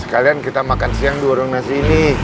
sekalian kita makan siang di warung nasi ini